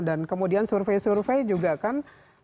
dan kemudian survei survei juga kan